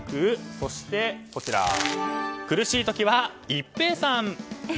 そして、苦しい時はイッペイさん。